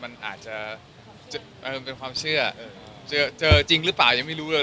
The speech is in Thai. เป็นความเชื่อเออเป็นความเชื่อเจอจริงหรือเปล่ายังไม่รู้เลย